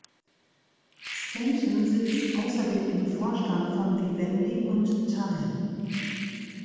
Stanton sitzt außerdem im Vorstand von Vivendi und Time.